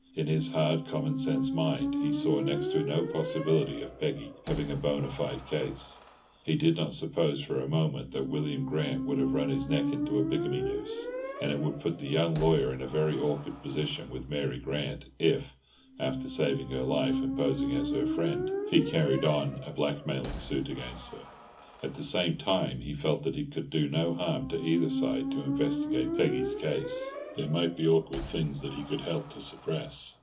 In his hard commonsense mind he saw next to no possibility of Peggy having a bonâ fide case. He did not suppose for a moment that William Grant would have run his neck into a bigamy noose; and it would put the young lawyer in a very awkward position with Mary Grant if, after saving her life and posing as her friend, he carried on a blackmailing suit against her. At the same time, he felt that it could do no harm to either side to investigate Peggy's case; there might be awkward things that he could help to suppress.